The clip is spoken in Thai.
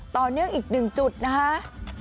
ต่อเนื่องอีกหนึ่งจุดนะคะ